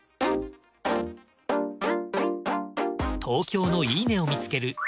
東京のいいね！を見つける。